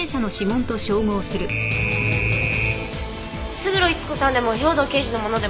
勝呂伊津子さんでも兵藤刑事のものでもありません。